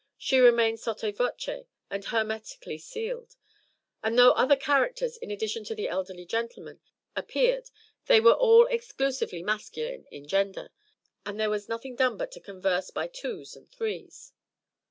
she remained sotto voce and hermetically sealed; and though other characters, in addition to the elderly gentlemen, appeared, they were all exclusively masculine in gender, and there was nothing done but to converse by twos and threes.